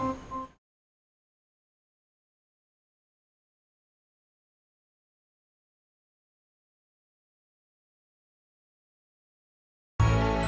an kalau masalah baju tenangkan